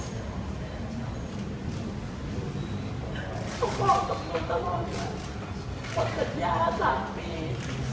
เขาบอกกับฉันตลอดวันบอกสัญญา๓ปี